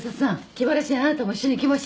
気晴らしにあなたも一緒に行きましょう。